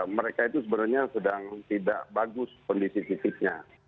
mereka itu sebenarnya sedang tidak bagus kondisi fisiknya